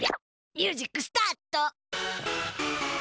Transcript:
ミュージックスタート！